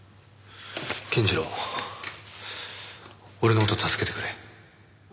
健次郎俺の事を助けてくれ。